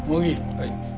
はい。